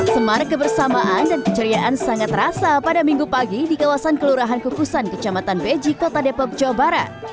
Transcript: semarak kebersamaan dan keceriaan sangat terasa pada minggu pagi di kawasan kelurahan kukusan kecamatan beji kota depok jawa barat